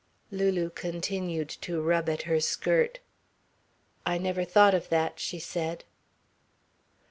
Lulu continued to rub at her skirt. "I never thought of that," she said.